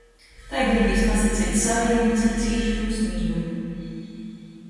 Tai gribīs pasaceit sovejim, cik cīši jūs mīļoju.